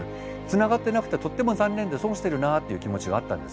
つながってなくてとっても残念で損してるなっていう気持ちがあったんですね。